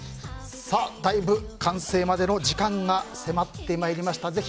だいぶ完成までの時間が迫ってまいりました。